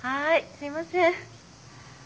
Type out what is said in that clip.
すいません。